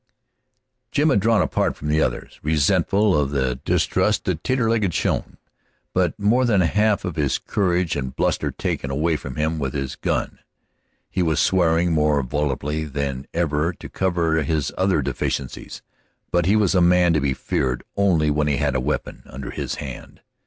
Jim had drawn apart from the others, resentful of the distrust that Taterleg had shown, but more than half of his courage and bluster taken away from him with his gun. He was swearing more volubly than ever to cover his other deficiencies; but he was a man to be feared only when he had his weapon under his hand.